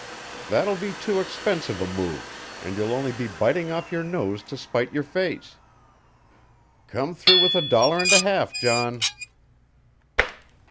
That will be too expensive a move, and you'll only be biting off your nose to spite your face. Come through with a dollar and a half, John."